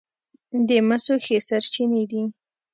د مسو ښې سرچینې دي.